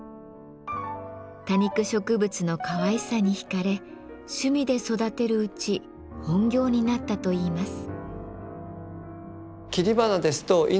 多肉植物のかわいさに引かれ趣味で育てるうち本業になったといいます。